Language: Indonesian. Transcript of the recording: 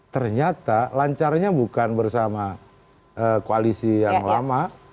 ternyata lancarnya bukan bersama koalisi yang lama